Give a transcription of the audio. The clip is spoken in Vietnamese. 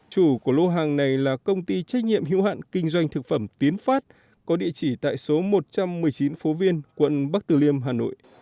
chủ của lô hàng này là công ty trách nhiệm hữu hạn kinh doanh thực phẩm tiến phát có địa chỉ tại số một trăm một mươi chín phố viên quận bắc từ liêm hà nội